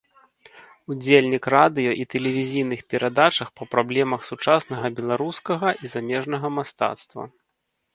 Удзельнік радыё і тэлевізійных перадачах па праблемах сучаснага беларускага і замежнага мастацтва.